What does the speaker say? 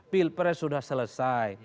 pilpres sudah selesai